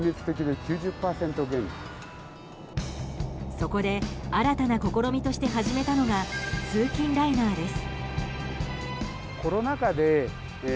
そこで新たな試みとして始めたのが、通勤ライナーです。